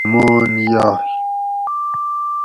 ہمان یائی